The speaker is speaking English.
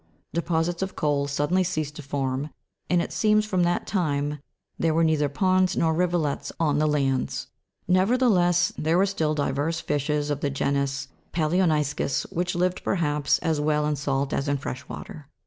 Deposits of coal suddenly ceased to form, and it seems from that time there were neither ponds nor rivulets on the lands ; nevertheless, there were still divers fishes of the genus palioni'scus, which lived per haps as well in salt as in fresh water.